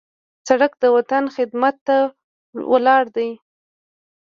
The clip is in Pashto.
سړک د وطن خدمت ته ولاړ دی.